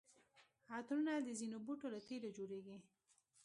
عطرونه د ځینو بوټو له تېلو جوړیږي.